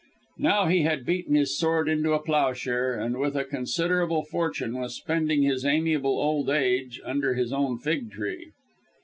Now he had beaten his sword into a plough share, and, with a considerable fortune, was spending his amiable old age under his own fig tree.